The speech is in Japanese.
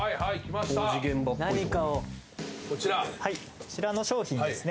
こちらの商品ですね。